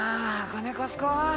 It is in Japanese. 金貸すか？